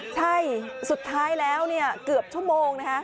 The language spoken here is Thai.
ใช่สุดท้ายแล้วเกือบชั่วโมงนะฮะ